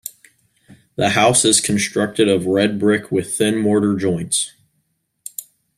The house is constructed of red brick with thin mortar joints.